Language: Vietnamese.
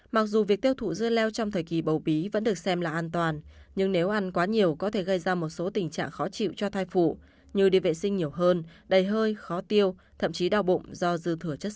mặc dù việc tiêu thụ dưa leo trong thời kỳ bầu bí vẫn được xem là an toàn nhưng nếu ăn quá nhiều có thể gây ra một số tình trạng khó chịu cho thai phụ như đi vệ sinh nhiều hơn đầy hơi khó tiêu thậm chí đau bụng do dư thừa chất